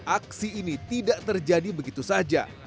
aksi ini tidak terjadi begitu saja